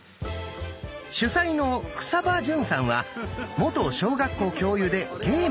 主宰の草場純さんは元小学校教諭でゲーム研究家。